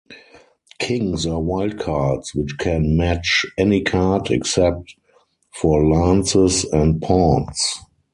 Kings are wild cards which can match any card except for lances and pawns.